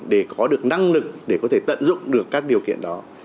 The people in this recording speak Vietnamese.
để có được năng lực để có thể tận dụng được các điều kiện đó